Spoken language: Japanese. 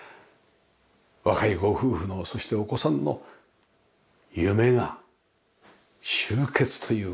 若いご夫婦のそしてお子さんの夢が集結というか。